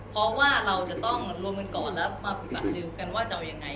เพราะว่าเราจะต้องรวมกันก่อนแล้วมาแบบลืมกันว่าจะเอายังไง